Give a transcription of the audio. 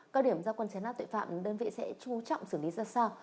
các điểm do quân chế nát tội phạm đơn vị sẽ trung trọng xử lý ra sao